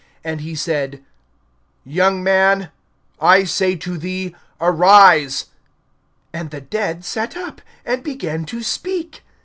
And he said: Young man, I say to thee, arise. (15)And the dead sat up, and began to speak.